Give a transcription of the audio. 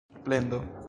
plendo